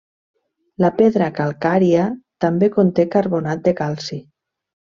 La pedra calcària també conté carbonat de calci.